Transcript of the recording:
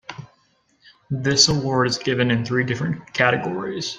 This award is given in three different categories.